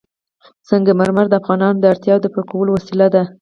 سنگ مرمر د افغانانو د اړتیاوو د پوره کولو وسیله ده.